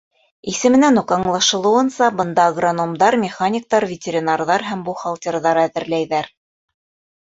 Исеменән үк аңлашылыуынса, бында агрономдар, механиктар, ветеринарҙар һәм бухгалтерҙар әҙерләйҙәр.